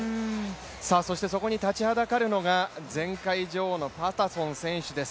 そしてそこに立ちはだかるのが前回女王のパタソン選手です。